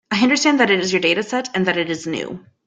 I understand that it is your dataset, and that it is new.